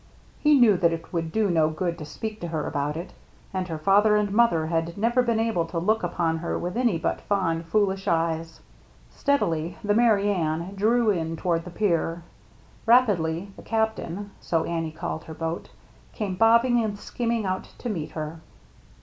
He knew that it would do no good to speak to her about it ; and her father and mother had never been able to look upon her with any but fond, foolish eyes. Steadily the Merry Anne drew in toward the pier ; rapidly the Captain — so Annie called her boat — came bobbing and skimming out to meet her.